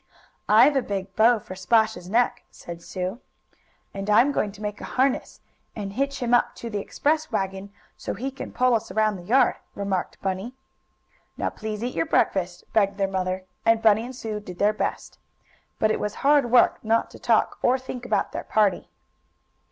"I've a big bow for Splash's neck," said Sue. "And I'm going to make a harness, and hitch him up to the express wagon, so he can pull us around the yard," remarked Bunny. "Now please eat your breakfast!" begged their mother, and Bunny and Sue did their best. But it was hard work not to talk or think about their party.